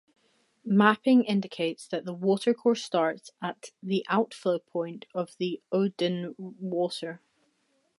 Mapping indicates that the watercourse starts at the outflow point of Ogden Water.